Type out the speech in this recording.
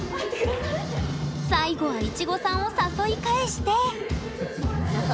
最後はいちごさんを誘い返してハハハ！